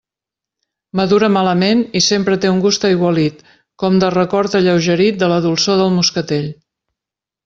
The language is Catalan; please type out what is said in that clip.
Madura malament i sempre té un gust aigualit, com de record alleugerit de la dolçor del moscatell.